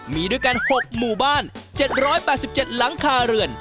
มีด้วยกัน๖หมู่บ้าน๗๘๗หลังคาเรือน